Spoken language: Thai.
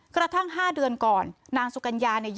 กระทั่ง๕เดือนก่อนนางสุกัญญาเนี่ย